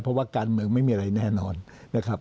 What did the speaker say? เพราะว่าการเมืองไม่มีอะไรแน่นอนนะครับ